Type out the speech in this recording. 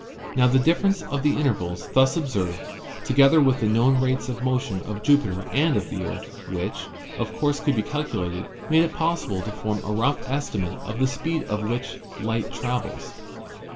Now the difference of the intervals thus observed, together with the known rates of motion of Jupiter and of the Earth, which, of course, could be calculated, made it possible to form a rough estimate of the speed at which light travels.